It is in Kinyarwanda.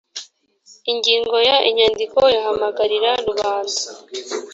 ingingo ya inyandiko ihamagarira rubanda